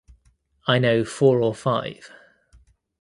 I know four or five.